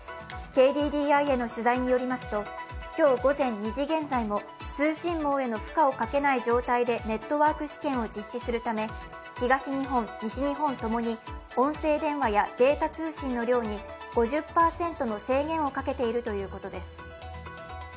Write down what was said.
ＫＤＤＩへの取材によりますと今日午前２時現在も通信網への負荷をかけない状態でネットワーク試験を実施するため東日本、西日本ともに音声電話やデータ通信の量に５０％の制限をかけているということです。